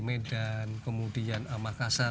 medan kemudian makassar